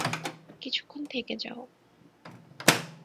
কিছুক্ষণ থেকে যাও।